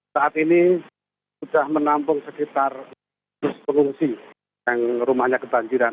saat ini sudah menampung sekitar pengungsi yang rumahnya kebanjiran